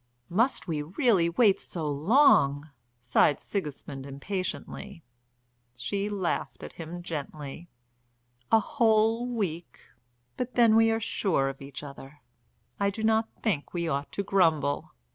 "Must we really wait so long!" sighed Sigismund impatiently. She laughed at him gently. "A whole week! But then we are sure of each other. I do not think we ought to grumble."